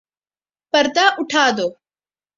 پردہ اٹھادو